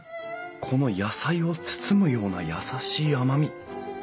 この野菜を包むような優しい甘み。